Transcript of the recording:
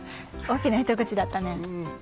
大きなひと口だったね。